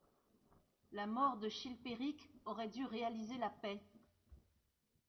La mort de Chilpéric aurait dû réaliser la paix.